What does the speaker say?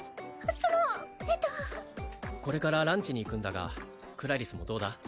そのえっとこれからランチに行くんだがクラリスもどうだ？